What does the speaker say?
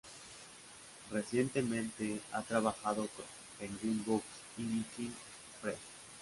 Recientemente, ha trabajado con Penguin Books y Viking Press.